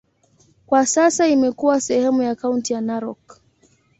Kwa sasa imekuwa sehemu ya kaunti ya Narok.